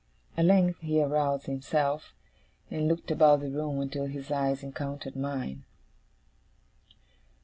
At length he aroused himself, and looked about the room until his eyes encountered mine.